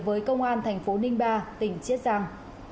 với công an thành phố ninh ba tỉnh chiết giang